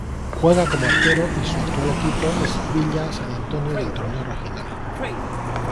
Juega como arquero y su actual equipo es Villa San Antonio del Torneo Regional.